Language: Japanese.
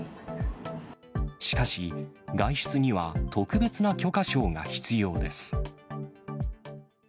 しかし、外出には特別な許可証が必要です。